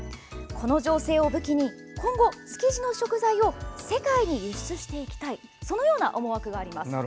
この情勢を武器に今後、築地の食材を世界に輸出していきたいそのような思惑があります。